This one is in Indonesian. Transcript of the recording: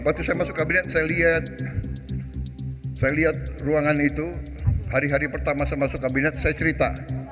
waktu saya masuk kabinet saya lihat saya lihat ruangan itu hari hari pertama saya masuk kabinet saya cerita